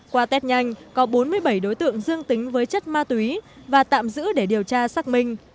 qua test nhanh có bốn mươi bảy đối tượng dương tính với chất ma túy và tạm giữ để điều tra xác minh